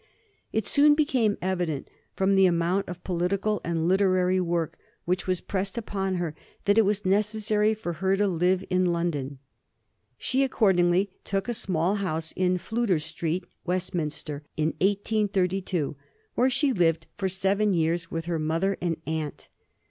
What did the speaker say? It soon became evident, from the amount of political and literary work which was pressed upon her, that it was necessary for her to live in London. She accordingly took a small house in Fludyer Street, Westminster, in 1832, where she lived for seven years with her mother and aunt.